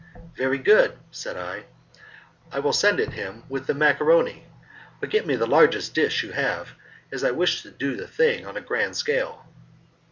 "Very good," said I, "I will send it him with the macaroni; but get me the largest dish you have, as I wish to do the thing on a grand scale."